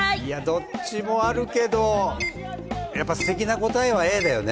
どっちもあるけれど、ステキな答えはＡだよね。